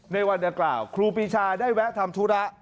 ในวันดังกล่าวครูปีชาได้แวะทำธุระ